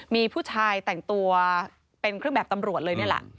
มีผู้ชายแต่งตัวเป็นเครื่องแบบตำรวจเลยนี่แหละ